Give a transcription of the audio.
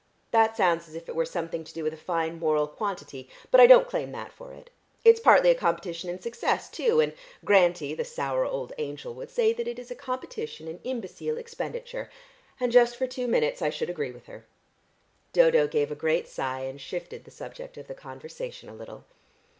That sounds as if it were something to do with a fine moral quality, but I don't claim that for it. It's partly a competition in success too, and Grantie, the sour old angel, would say that it is a competition in imbecile expenditure, and just for two minutes I should agree with her." Dodo gave a great sigh, and shifted the subject of the conversation a little.